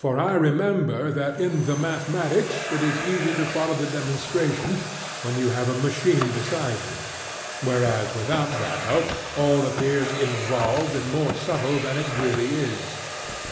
For I remember that in the mathematics it is easy to follow the demonstration when you have a machine beside you; whereas without that help all appears involved and more subtle than it really is.